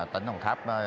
tỉnh đồng tháp